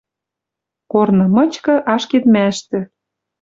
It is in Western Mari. Корны мычкы ашкедмӓштӹ